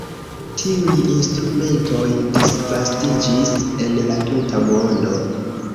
Tiuj instrumentoj disvastiĝis en la tuta mondo.